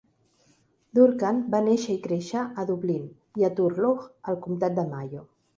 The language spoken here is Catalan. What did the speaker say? Durcan va néixer i créixer a Dublín i a Turlough, al comptat de Mayo.